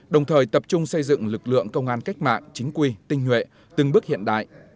đồng thời tập trung xây dựng lực lượng công an cách mạng chính quy tinh huệ từng bước hiện đại